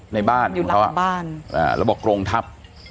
ในบ้านอยู่หลังบ้านอ่าแล้วบอกกรงทัพ